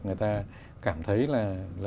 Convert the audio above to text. người ta cảm thấy là